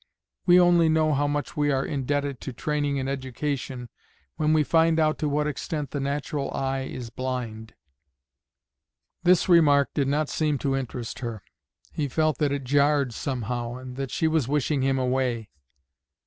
We only know how much we are indebted to training and education when we find out to what extent the natural eye is blind." This remark did not seem to interest her. He felt that it jarred somehow, and that she was wishing him away.